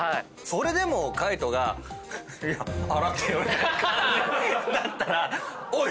それでも海人が「いや払ってよ」って感じだったらおい！